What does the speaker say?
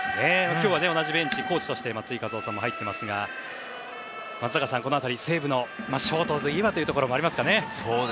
今日は同じコーチとして松井稼頭央さんも入っていますが松坂さん、この辺りは西武のショートといえばというのがありますかね。